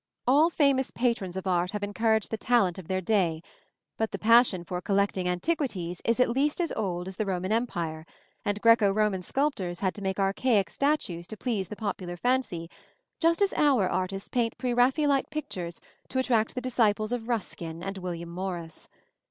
All famous patrons of art have encouraged the talent of their day; but the passion for collecting antiquities is at least as old as the Roman Empire, and Græco Roman sculptors had to make archaistic statues to please the popular fancy, just as our artists paint pre Raphaelite pictures to attract the disciples of Ruskin and William Morris.